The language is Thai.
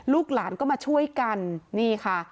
ลูกหลานก็มาช่วยกันนี่ค่ะ